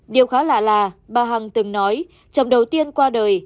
điều khá lạ là bà hằng từng nói